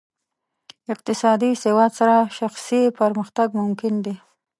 اقتصادي سواد سره شخصي پرمختګ ممکن دی.